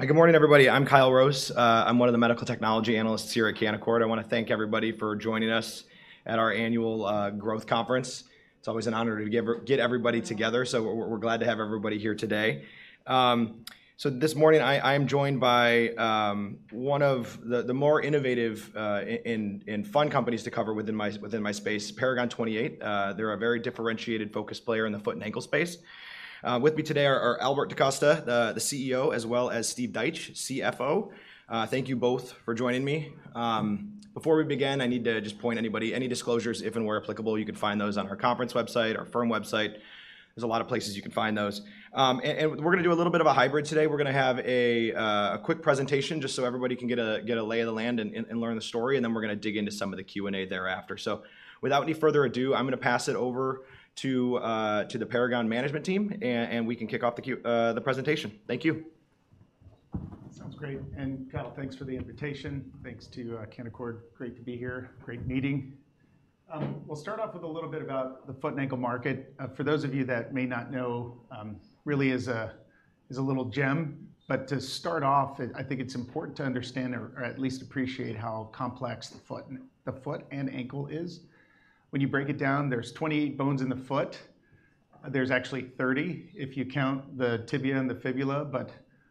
Hi, good morning, everybody. I'm Kyle Rose. I'm one of the medical technology analysts here at Canaccord. I want to thank everybody for joining us at our annual growth conference. It's always an honor to get everybody together, so we're, we're glad to have everybody here today. This morning, I, I'm joined by one of the, the more innovative, in, in fun companies to cover within my, within my space, Paragon 28. They're a very differentiated focused player in the foot and ankle space. With me today are, are Albert DaCosta, the, the CEO, as well as Steve Deitsch, CFO. Thank you both for joining me. Before we begin, I need to just point anybody, any disclosures, if and where applicable, you can find those on our conference website, our firm website. There's a lot of places you can find those. We're gonna do a little bit of a hybrid today. We're gonna have a quick presentation just so everybody can get a lay of the land and learn the story, and then we're gonna dig into some of the Q&A thereafter. Without any further ado, I'm gonna pass it over to the Paragon management team, and we can kick off the presentation. Thank you. Sounds great. Kyle, thanks for the invitation. Thanks to Canaccord. Great to be here. Great meeting. We'll start off with a little bit about the foot and ankle market. For those of you that may not know, really is a, is a little gem, but to start off, I think it's important to understand or, or at least appreciate how complex the foot and ankle is. When you break it down, there's 20 bones in the foot. There's actually 30 if you count the tibia and the fibula, but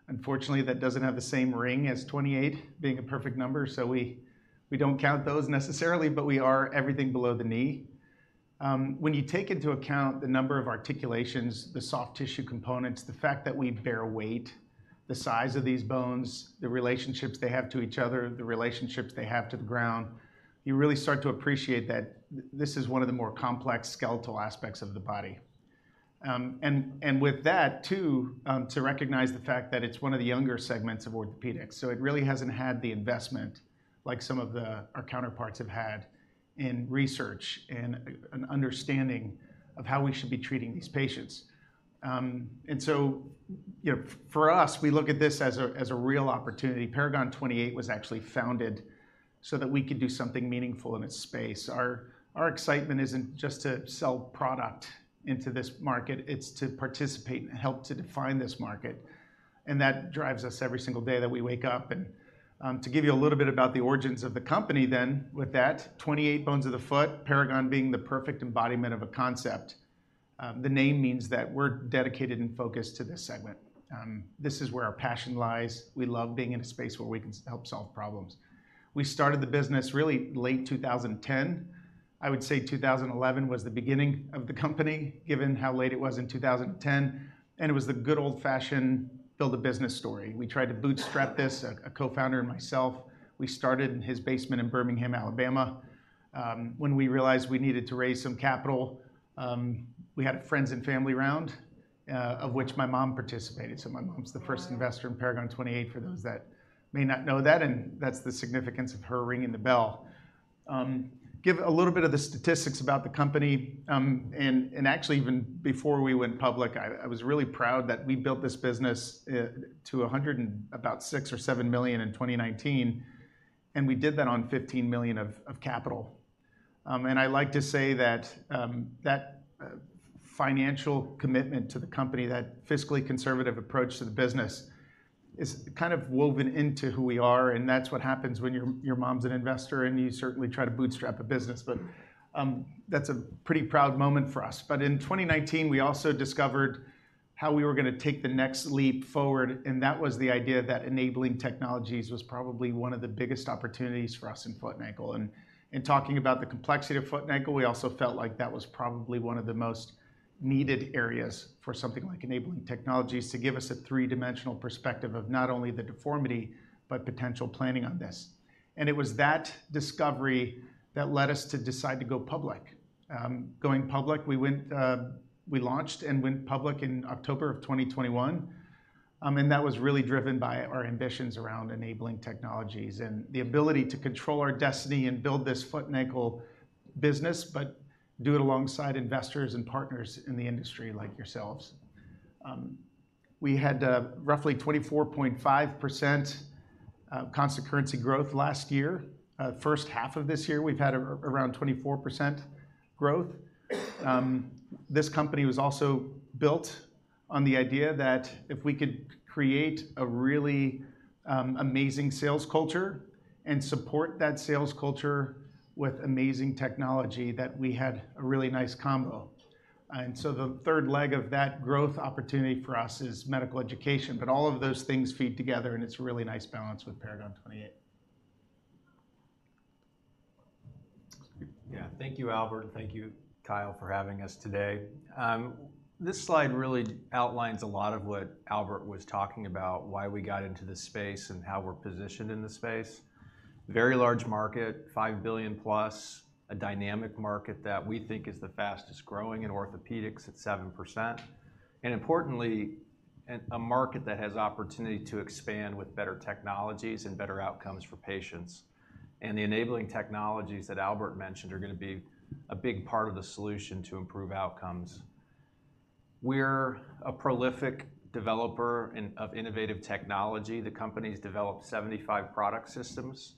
unfortunately, that doesn't have the same ring as 28, being a perfect number. We, we don't count those necessarily, but we are everything below the knee. When you take into account the number of articulations, the soft tissue components, the fact that we bear weight, the size of these bones, the relationships they have to each other, the relationships they have to the ground, you really start to appreciate that this is one of the more complex skeletal aspects of the body. With that, too, to recognize the fact that it's one of the younger segments of orthopedics, so it really hasn't had the investment like some of the-- our counterparts have had in research and an understanding of how we should be treating these patients. You know, for us, we look at this as a, as a real opportunity. Paragon 28 was actually founded so that we could do something meaningful in this space. Our excitement isn't just to sell product into this market, it's to participate and help to define this market. That drives us every single day that we wake up. To give you a little bit about the origins of the company, with that, 28 bones of the foot, Paragon being the perfect embodiment of a concept, the name means that we're dedicated and focused to this segment. This is where our passion lies. We love being in a space where we can help solve problems. We started the business really late 2010. I would say 2011 was the beginning of the company, given how late it was in 2010. It was the good old-fashioned build-a-business story. We tried to bootstrap this. A co-founder and myself, we started in his basement in Birmingham, Alabama. When we realized we needed to raise some capital, we had a friends and family round, of which my mom participated. My mom's the first investor in Paragon 28, for those that may not know that, and that's the significance of her ringing the bell. Give a little bit of the statistics about the company, and actually even before we went public, I was really proud that we built this business to about $106 million-$107 million in 2019, and we did that on $15 million of capital. I like to say that that financial commitment to the company, that fiscally conservative approach to the business, is kind of woven into who we are, and that's what happens when your mom's an investor and you certainly try to bootstrap a business. That's a pretty proud moment for us. In 2019, we also discovered how we were gonna take the next leap forward, and that was the idea that enabling technologies was probably one of the biggest opportunities for us in foot and ankle. In talking about the complexity of foot and ankle, we also felt like that was probably one of the most needed areas for something like enabling technologies to give us a three-dimensional perspective of not only the deformity, but potential planning on this. It was that discovery that led us to decide to go public. Going public, we went, we launched and went public in October of 2021, and that was really driven by our ambitions around enabling technologies and the ability to control our destiny and build this foot and ankle business, but do it alongside investors and partners in the industry like yourselves. We had roughly 24.5% constant currency growth last year. First half of this year, we've had around 24% growth. This company was also built on the idea that if we could create a really amazing sales culture and support that sales culture with amazing technology, that we had a really nice combo. The third leg of that growth opportunity for us is medical education, but all of those things feed together, and it's a really nice balance with Paragon 28. Yeah. Thank you, Albert, thank you, Kyle, for having us today. This slide really outlines a lot of what Albert was talking about, why we got into this space, and how we're positioned in the space. Very large market, $5 billion+, a dynamic market that we think is the fastest growing in orthopedics at 7%, and importantly, a market that has opportunity to expand with better technologies and better outcomes for patients. The enabling technologies that Albert mentioned are gonna be a big part of the solution to improve outcomes. We're a prolific developer of innovative technology. The company's developed 75 product systems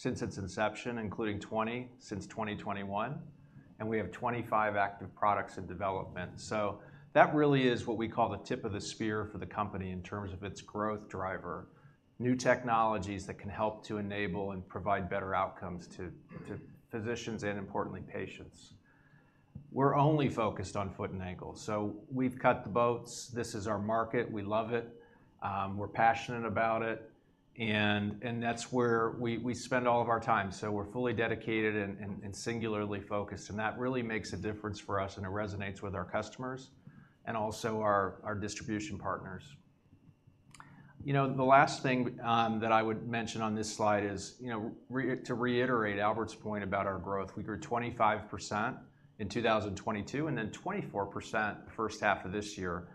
since its inception, including 20, since 2021, and we have 25 active products in development. That really is what we call the tip of the spear for the company in terms of its growth driver, new technologies that can help to enable and provide better outcomes to physicians and importantly, patients. We're only focused on foot and ankle, so we've cut the boats. This is our market. We love it, we're passionate about it, and that's where we spend all of our time. We're fully dedicated and singularly focused, and that really makes a difference for us, and it resonates with our customers and also our distribution partners. You know, the last thing that I would mention on this slide is, you know, to reiterate Albert's point about our growth. We grew 25% in 2022, and then 24% first half of this year.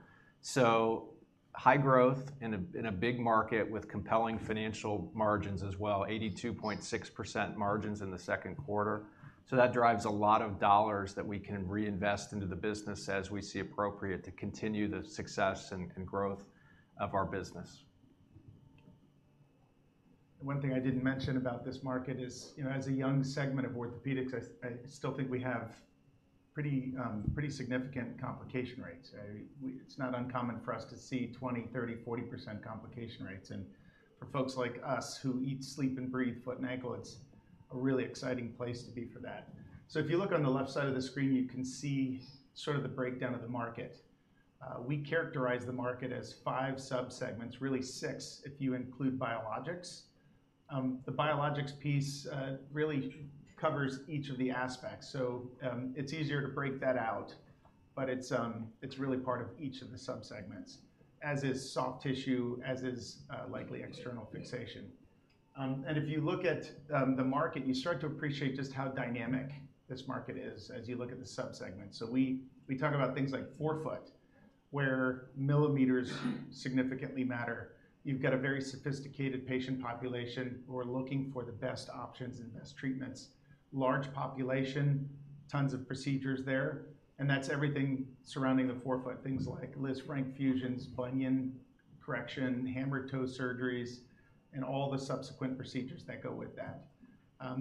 High growth in a, in a big market with compelling financial margins as well, 82.6% margins in the second quarter. That drives a lot of dollars that we can reinvest into the business as we see appropriate to continue the success and, and growth of our business. One thing I didn't mention about this market is, you know, as a young segment of orthopedics, I still think we have pretty significant complication rates. It's not uncommon for us to see 20%, 30%, 40% complication rates. For folks like us who eat, sleep, and breathe foot and ankle, it's a really exciting place to be for that. If you look on the left side of the screen, you can see sort of the breakdown of the market. We characterize the market as 5 subsegments, really 6, if you include biologics. The biologics piece really covers each of the aspects, so it's easier to break that out, but it's really part of each of the subsegments, as is soft tissue, as is likely external fixation. If you look at the market, you start to appreciate just how dynamic this market is as you look at the subsegments. So we, we talk about things like forefoot, where millimeters significantly matter. You've got a very sophisticated patient population who are looking for the best options and best treatments. Large population, tons of procedures there, and that's everything surrounding the forefoot. Things like Lisfranc fusions, bunion correction, hammer toe surgeries, and all the subsequent procedures that go with that.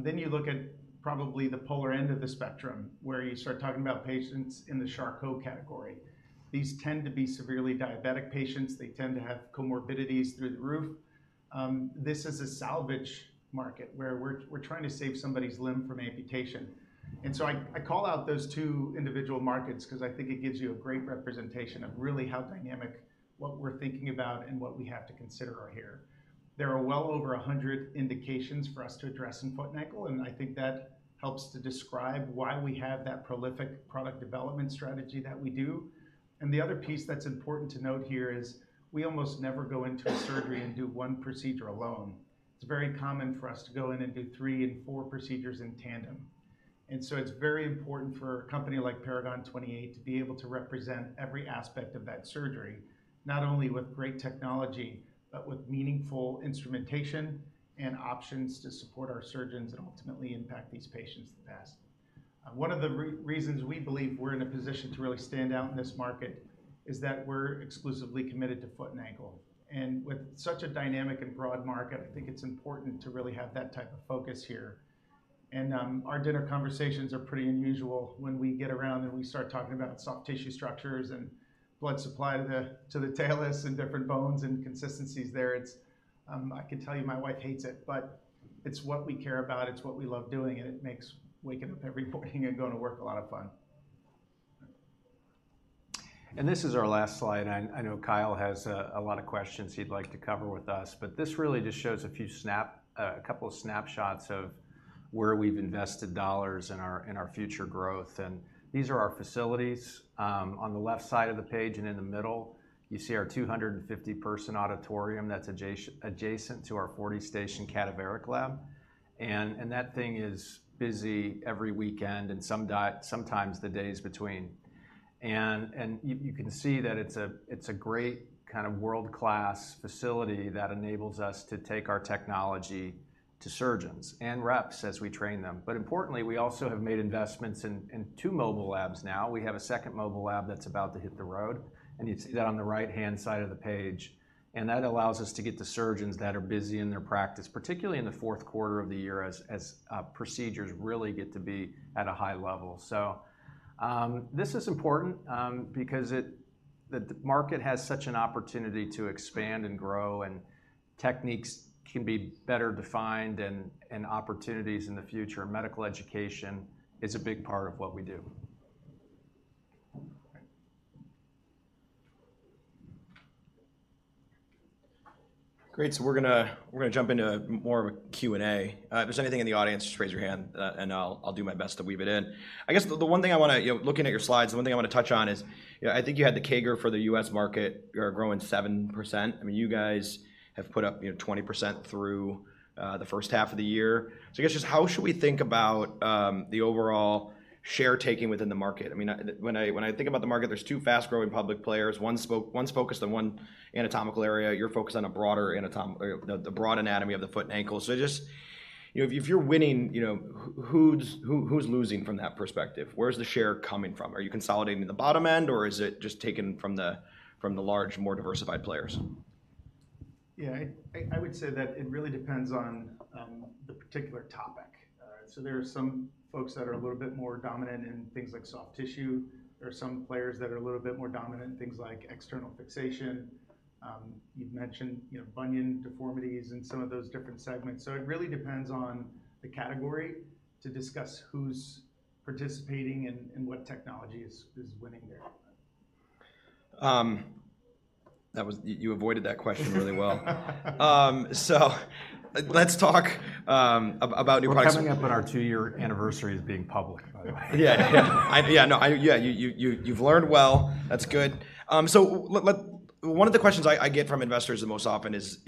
You look at probably the polar end of the spectrum, where you start talking about patients in the Charcot category. These tend to be severely diabetic patients. They tend to have comorbidities through the roof. This is a salvage market where we're, we're trying to save somebody's limb from amputation. I call out those two individual markets because I think it gives you a great representation of really how dynamic, what we're thinking about, and what we have to consider are here. There are well over 100 indications for us to address in foot and ankle, and I think that helps to describe why we have that prolific product development strategy that we do. The other piece that's important to note here is we almost never go into a surgery and do 1 procedure alone. It's very common for us to go in and do 3 and 4 procedures in tandem. It's very important for a company like Paragon 28 to be able to represent every aspect of that surgery, not only with great technology, but with meaningful instrumentation and options to support our surgeons and ultimately impact these patients the best. One of the reasons we believe we're in a position to really stand out in this market is that we're exclusively committed to foot and ankle. With such a dynamic and broad market, I think it's important to really have that type of focus here. Our dinner conversations are pretty unusual when we get around and we start talking about soft tissue structures and blood supply to the, to the tarsals and different bones and consistencies there. It's. I can tell you, my wife hates it, but it's what we care about, it's what we love doing, and it makes waking up every morning and going to work a lot of fun. This is our last slide. I, I know Kyle has a lot of questions he'd like to cover with us, but this really just shows a couple of snapshots of where we've invested dollars in our, in our future growth. These are our facilities. On the left side of the page and in the middle, you see our 250-person auditorium that's adjacent to our 40-station cadaveric lab. That thing is busy every weekend and sometimes the days between. You, you can see that it's a, it's a great kind of world-class facility that enables us to take our technology to surgeons and reps as we train them. Importantly, we also have made investments in, in 2 mobile labs now. We have a second mobile lab that's about to hit the road, and you'd see that on the right-hand side of the page. That allows us to get to surgeons that are busy in their practice, particularly in the fourth quarter of the year as, as procedures really get to be at a high level. This is important because the market has such an opportunity to expand and grow, and techniques can be better defined and opportunities in the future, and medical education is a big part of what we do. Great, so we're gonna, we're gonna jump into more of a Q&A. If there's anything in the audience, just raise your hand, and I'll, I'll do my best to weave it in. I guess the, the one thing I wanna, you know, looking at your slides, the one thing I wanna touch on is, you know, I think you had the CAGR for the U.S. market. You are growing 7%. I mean, you guys have put up, you know, 20% through the first half of the year. I guess just how should we think about the overall share taking within the market? I mean, when I, when I think about the market, there's two fast-growing public players. One spo-- one's focused on one anatomical area, you're focused on a broader anatomic-- or, you know, the broad anatomy of the foot and ankle. Just, you know, if, if you're winning, you know, who's losing from that perspective? Where's the share coming from? Are you consolidating the bottom end, or is it just taken from the, from the large, more diversified players? Yeah, I, I would say that it really depends on the particular topic. There are some folks that are a little bit more dominant in things like soft tissue, there are some players that are a little bit more dominant in things like external fixation. You've mentioned, you know, bunion deformities and some of those different segments. It really depends on the category to discuss who's participating and what technology is winning there. That was you, you avoided that question really well. Let's talk about new products. We're coming up on our 2-year anniversary as being public, by the way. Yeah. Yeah. Yeah, no, I. Yeah, you, you, you've learned well. That's good. One of the questions I, I get from investors the most often is: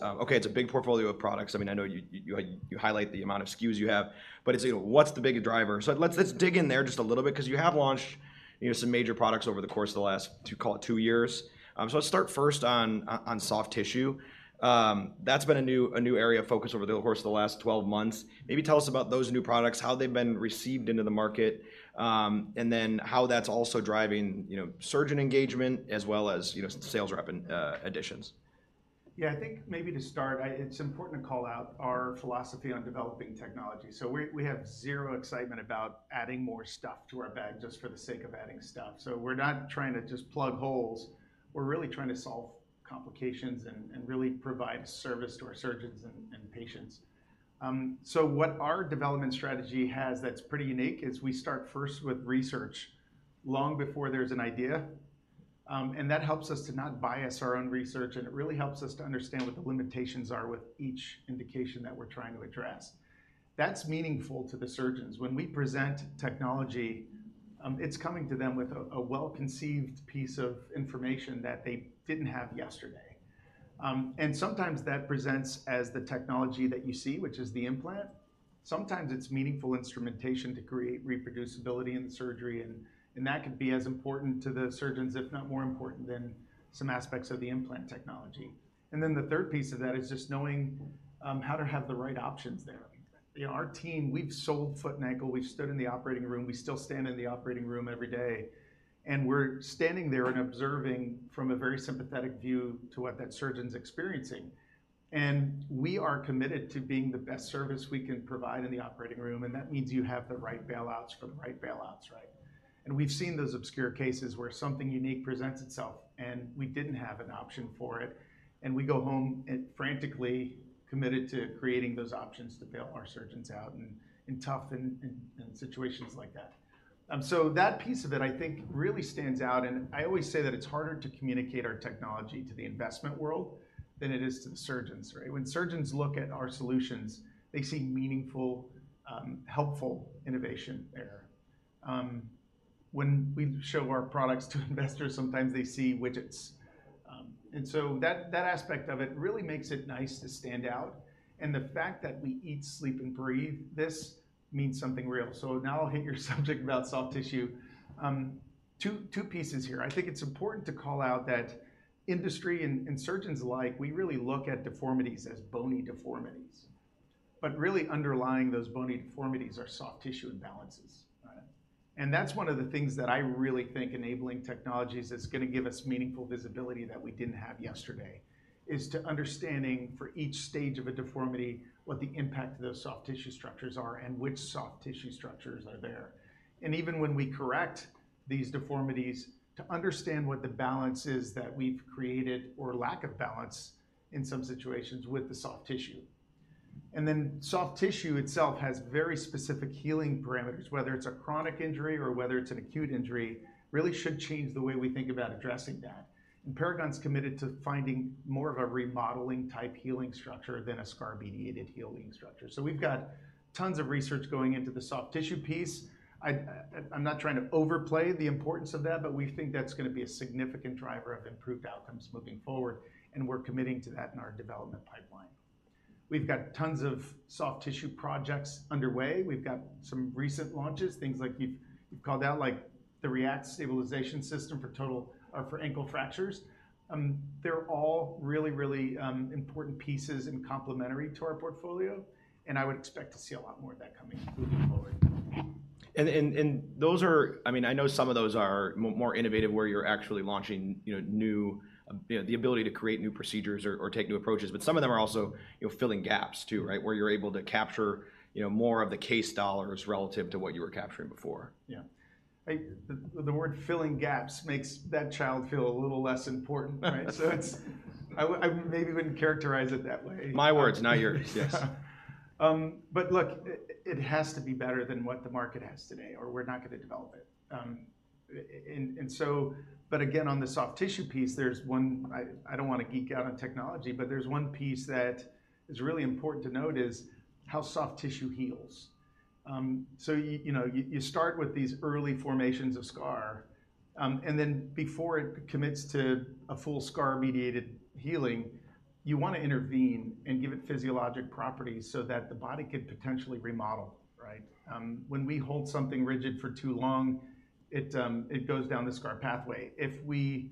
"Okay, it's a big portfolio of products," I mean, I know you, you, you highlight the amount of SKUs you have, but it's, you know, what's the big driver? Let's, let's dig in there just a little bit, 'cause you have launched, you know, some major products over the course of the last, call it 2 years. Let's start first on soft tissue. That's been a new, a new area of focus over the course of the last 12 months. Maybe tell us about those new products, how they've been received into the market, and then how that's also driving, you know, surgeon engagement as well as, you know, sales rep and additions. Yeah, I think maybe to start, I-- it's important to call out our philosophy on developing technology. We, we have zero excitement about adding more stuff to our bag just for the sake of adding stuff. We're not trying to just plug holes, we're really trying to solve complications and, and really provide service to our surgeons and, and patients. What our development strategy has that's pretty unique is we start first with research long before there's an idea, and that helps us to not bias our own research, and it really helps us to understand what the limitations are with each indication that we're trying to address. That's meaningful to the surgeons. When we present technology, it's coming to them with a, a well-conceived piece of information that they didn't have yesterday. Sometimes that presents as the technology that you see, which is the implant. Sometimes it's meaningful instrumentation to create reproducibility in the surgery, and that could be as important to the surgeons, if not more important than some aspects of the implant technology. Then the third piece of that is just knowing how to have the right options there. You know, our team, we've sold foot and ankle, we've stood in the operating room, we still stand in the operating room every day, and we're standing there and observing from a very sympathetic view to what that surgeon's experiencing. We are committed to being the best service we can provide in the operating room, and that means you have the right bailouts for the right bailouts, right? We've seen those obscure cases where something unique presents itself, and we didn't have an option for it, and we go home and frantically committed to creating those options to bail our surgeons out in, in tough and, and, and situations like that. That piece of it, I think, really stands out, and I always say that it's harder to communicate our technology to the investment world than it is to the surgeons, right? When surgeons look at our solutions, they see meaningful, helpful innovation there. When we show our products to investors, sometimes they see widgets. That, that aspect of it really makes it nice to stand out, and the fact that we eat, sleep, and breathe this means something real. Now I'll hit your subject about soft tissue. Two, two pieces here. I think it's important to call out that industry and, and surgeons alike, we really look at deformities as bony deformities, but really underlying those bony deformities are soft tissue imbalances, right? That's one of the things that I really think enabling technologies is gonna give us meaningful visibility that we didn't have yesterday, is to understanding for each stage of a deformity, what the impact of those soft tissue structures are and which soft tissue structures are there. Even when we correct these deformities, to understand what the balance is that we've created, or lack of balance in some situations, with the soft tissue. Soft tissue itself has very specific healing parameters, whether it's a chronic injury or whether it's an acute injury, really should change the way we think about addressing that. Paragon's committed to finding more of a remodeling-type healing structure than a scar-mediated healing structure. We've got tons of research going into the soft tissue piece. I'm not trying to overplay the importance of that, but we think that's gonna be a significant driver of improved outcomes moving forward, and we're committing to that in our development pipeline. We've got tons of soft tissue projects underway. We've got some recent launches, things like you've, you've called out, like the R3ACT Stabilization System for total-- for ankle fractures. They're all really, really important pieces and complementary to our portfolio, and I would expect to see a lot more of that coming moving forward. Those are, I mean, I know some of those are m-more innovative, where you're actually launching, you know, new, you know, the ability to create new procedures or, or take new approaches, but some of them are also, you know, filling gaps, too, right? Where you're able to capture, you know, more of the case dollars relative to what you were capturing before. Yeah. The, the word filling gaps makes that challenge feel a little less important, right? it's... I maybe wouldn't characterize it that way. My words, not yours, yes. Look, it has to be better than what the market has today, or we're not gonna develop it. Again, on the soft tissue piece, there's one. I don't want to geek out on technology, but there's one piece that is really important to note, is how soft tissue heals. You know, you start with these early formations of scar, and then before it commits to a full scar-mediated healing, you wanna intervene and give it physiologic properties so that the body can potentially remodel, right? When we hold something rigid for too long, it goes down the scar pathway. If we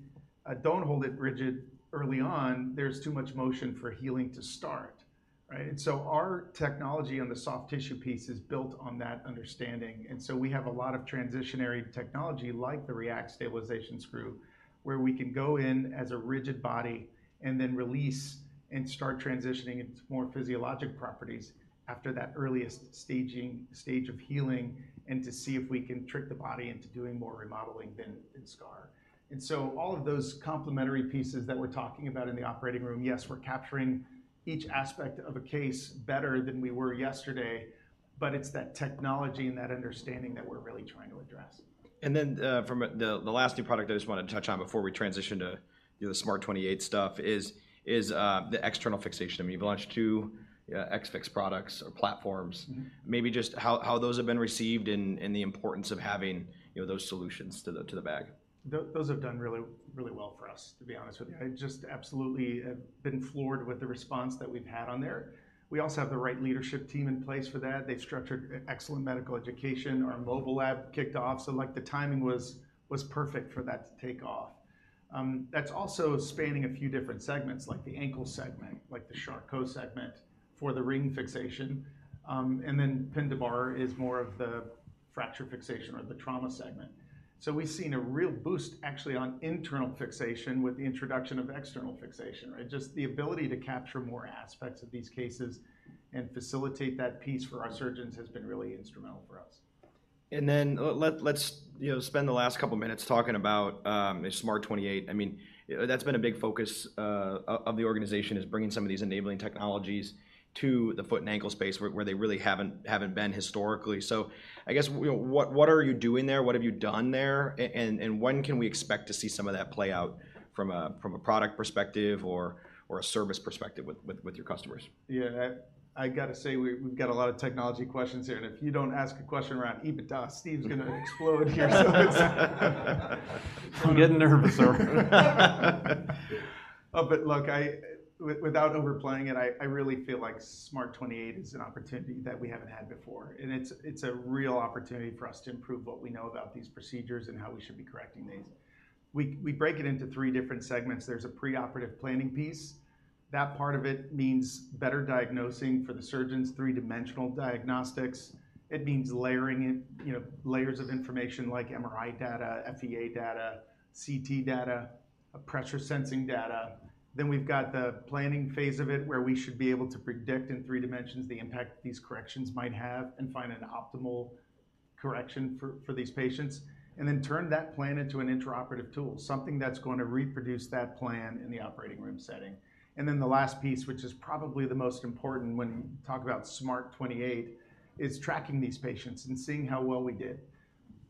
don't hold it rigid early on, there's too much motion for healing to start. Right. Our technology on the soft tissue piece is built on that understanding, and so we have a lot of transitionary technology, like the R3ACT Stabilization Screw, where we can go in as a rigid body and then release and start transitioning into more physiologic properties after that earliest staging, stage of healing. To see if we can trick the body into doing more remodeling than scar. All of those complementary pieces that we're talking about in the operating room, yes, we're capturing each aspect of a case better than we were yesterday, but it's that technology and that understanding that we're really trying to address. From the last new product I just wanted to touch on before we transition to, you know, the SMART28 stuff is, is, the external fixation. I mean, you've launched 2, ex fix products or platforms. Mm-hmm. Maybe just how, how those have been received and, and the importance of having, you know, those solutions to the, to the bag. Those, those have done really, really well for us, to be honest with you. I just absolutely have been floored with the response that we've had on there. We also have the right leadership team in place for that. They've structured excellent medical education. Our mobile app kicked off, like, the timing was perfect for that to take off. That's also spanning a few different segments, like the ankle segment, like the Charcot segment for the ring fixation. Pin2Bar is more of the fracture fixation or the trauma segment. We've seen a real boost actually on internal fixation with the introduction of external fixation, right? Just the ability to capture more aspects of these cases and facilitate that piece for our surgeons has been really instrumental for us. Then let's, you know, spend the last couple minutes talking about SMART28. I mean, that's been a big focus of the organization, is bringing some of these enabling technologies to the foot and ankle space where, where they really haven't, haven't been historically. I guess, you know, what, what are you doing there? What have you done there? and, and when can we expect to see some of that play out from a, from a product perspective or, or a service perspective with, with, with your customers? Yeah, I, I gotta say, we, we've got a lot of technology questions here, and if you don't ask a question around EBITDA, Steve's gonna explode here. I'm getting nervous, sir. Look, without overplaying it, I, I really feel like SMART28 is an opportunity that we haven't had before, and it's, it's a real opportunity for us to improve what we know about these procedures and how we should be correcting these. We, we break it into three different segments. There's a preoperative planning piece. That part of it means better diagnosing for the surgeons, three-dimensional diagnostics. It means layering in, you know, layers of information like MRI data, FEA data, CT data, pressure sensing data. We've got the planning phase of it, where we should be able to predict in three dimensions the impact these corrections might have and find an optimal correction for, for these patients, and then turn that plan into an intraoperative tool, something that's going to reproduce that plan in the operating room setting. The last piece, which is probably the most important when you talk about SMART28, is tracking these patients and seeing how well we did,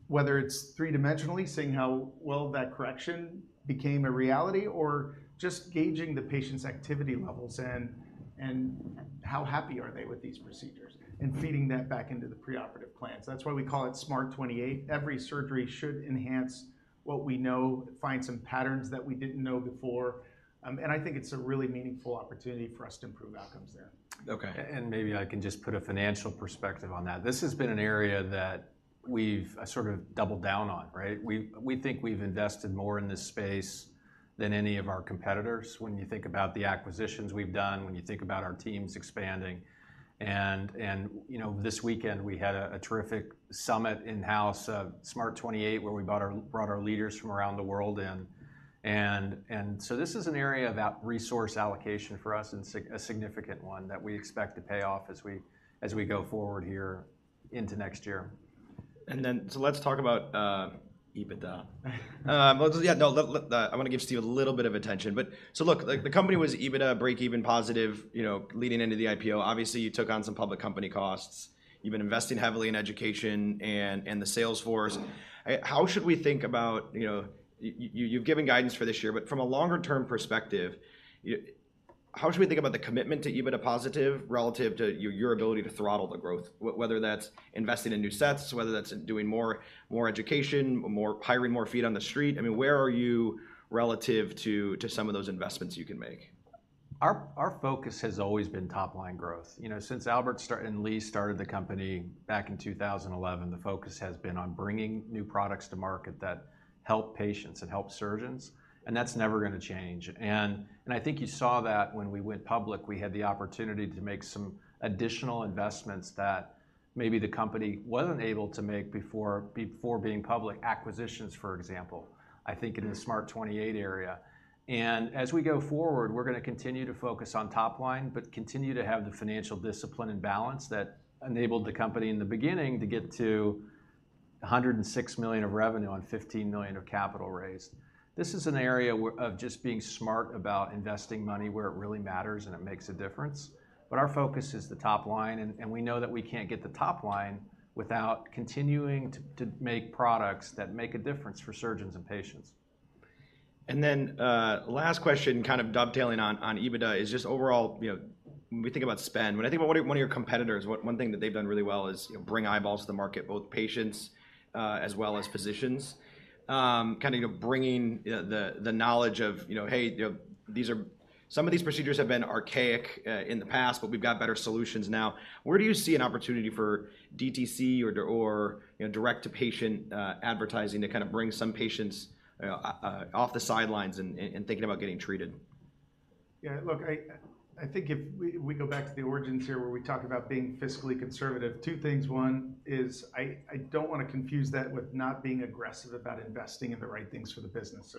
whether it's three-dimensionally, seeing how well that correction became a reality, or just gauging the patient's activity levels and how happy are they with these procedures, and feeding that back into the preoperative plan. That's why we call it SMART28. Every surgery should enhance what we know, find some patterns that we didn't know before, and I think it's a really meaningful opportunity for us to improve outcomes there. Okay. Maybe I can just put a financial perspective on that. This has been an area that we've sort of doubled down on, right? We think we've invested more in this space than any of our competitors when you think about the acquisitions we've done, when you think about our teams expanding. You know, this weekend we had a, a terrific summit in-house of SMART28, where we brought our leaders from around the world in. So this is an area of app resource allocation for us, and a significant one that we expect to pay off as we, as we go forward here into next year. Let's talk about EBITDA. Well, yeah, no, I want to give Steve a little bit of attention. So look, like, the company was EBITDA, break-even positive, you know, leading into the IPO. Obviously, you took on some public company costs. You've been investing heavily in education and the sales force. How should we think about, you know, you've given guidance for this year, but from a longer-term perspective, how should we think about the commitment to EBITDA positive relative to your ability to throttle the growth, whether that's investing in new sets, whether that's doing more, more education, hiring more feet on the street? I mean, where are you relative to some of those investments you can make? Our, our focus has always been top-line growth. You know, since Albert DaCosta and Lee started the company back in 2011, the focus has been on bringing new products to market that help patients and help surgeons, and that's never gonna change. I think you saw that when we went public, we had the opportunity to make some additional investments that maybe the company wasn't able to make before, before being public, acquisitions, for example. Mm-hmm... I think in the SMART28 area. As we go forward, we're gonna continue to focus on top line, but continue to have the financial discipline and balance that enabled the company in the beginning to get to $106 million of revenue on $15 million of capital raised. This is an area of just being smart about investing money where it really matters and it makes a difference, but our focus is the top line, and we know that we can't get the top line without continuing to make products that make a difference for surgeons and patients. Then, last question, kind of dovetailing on, on EBITDA, is just overall, you know, when we think about spend, when I think about one of, one of your competitors, one, one thing that they've done really well is, you know, bring eyeballs to the market, both patients, as well as physicians. Kind of, you know, bringing the knowledge of, you know, hey, you know, some of these procedures have been archaic in the, but we've got better solutions now. Where do you see an opportunity for DTC or, you know, direct-to-patient advertising to kind of bring some patients off the sidelines and, and thinking about getting treated?... Yeah, look, I, I think if we, we go back to the origins here, where we talk about being fiscally conservative, two things. One is I, I don't want to confuse that with not being aggressive about investing in the right things for the business.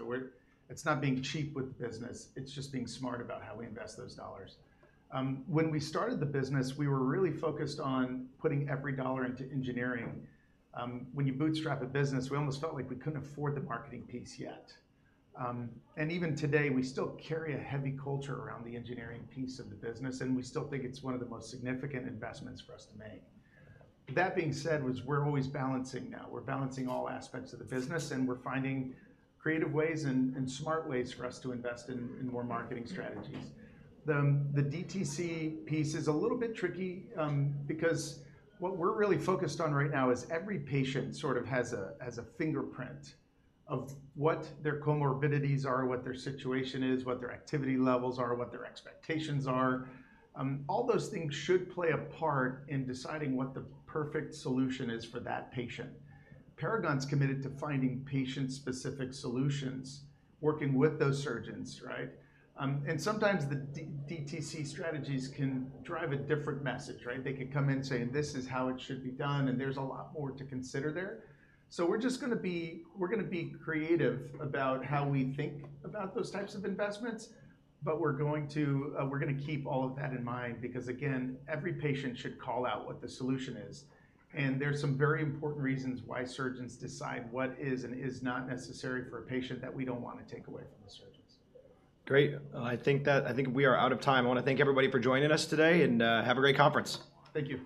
It's not being cheap with the business, it's just being smart about how we invest those dollars. When we started the business, we were really focused on putting every dollar into engineering. Even today, we still carry a heavy culture around the engineering piece of the business, and we still think it's one of the most significant investments for us to make. That being said, was we're always balancing now. We're balancing all aspects of the business, and we're finding creative ways and smart ways for us to invest in, in more marketing strategies. The DTC piece is a little bit tricky, because what we're really focused on right now is every patient sort of has a fingerprint of what their comorbidities are, what their situation is, what their activity levels are, what their expectations are. All those things should play a part in deciding what the perfect solution is for that patient. Paragon's committed to finding patient-specific solutions, working with those surgeons, right? Sometimes the DTC strategies can drive a different message, right? They could come in saying, "This is how it should be done," and there's a lot more to consider there. We're just gonna be creative about how we think about those types of investments, but we're going to, we're gonna keep all of that in mind, because, again, every patient should call out what the solution is. There's some very important reasons why surgeons decide what is and is not necessary for a patient that we don't want to take away from the surgeons. Great! I think I think we are out of time. I wanna thank everybody for joining us today, and have a great conference. Thank you.